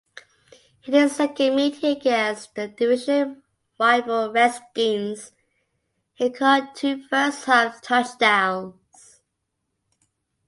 In his second meeting against the division-rival Redskins, he caught two first half touchdowns.